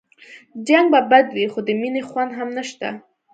جنګ به بد وي خو د مينې خوند هم نشته